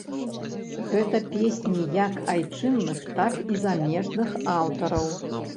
Гэта песні як айчынных, так і замежных аўтараў.